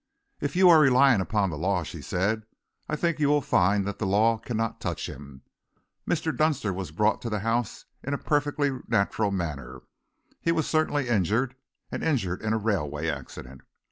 "If you are relying upon the law," she said, "I think you will find that the law cannot touch him. Mr. Dunster was brought to the house in a perfectly natural manner. He was certainly injured, and injured in a railway accident.